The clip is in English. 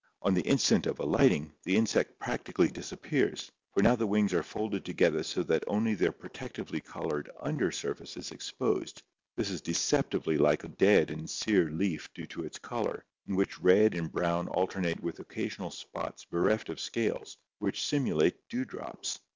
On the instant of alighting, the insect practically disappears, for now the wings are folded together so that only their protectively colored under surface is exposed. This is deceptively like a dead and sere leaf due to its color, in which red and brown alternate with occasional spots bereft of scales which simulate dewdrops.